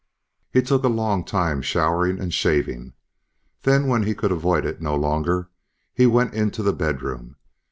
He took a long time showering and shaving. Then when he could avoid it no longer, he went into the bedroom.